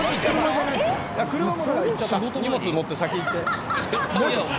荷物持って先行って。